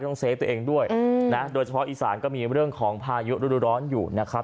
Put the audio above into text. เฟฟตัวเองด้วยนะโดยเฉพาะอีสานก็มีเรื่องของพายุฤดูร้อนอยู่นะครับ